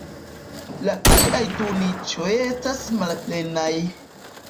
La aliaj du niĉoj estas malplenaj.